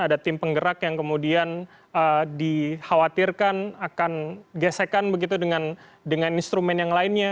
ada tim penggerak yang kemudian dikhawatirkan akan gesekan begitu dengan instrumen yang lainnya